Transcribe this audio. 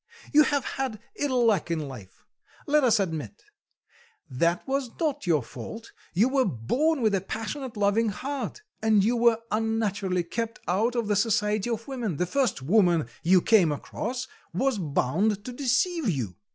You have had ill luck in life, let us admit; that was not your fault; you were born with a passionate loving heart, and you were unnaturally kept out of the society of women: the first woman you came across was bound to deceive you."